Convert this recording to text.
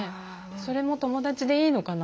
それも友だちでいいのかな？